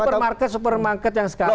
supermarket supermarket yang sekarang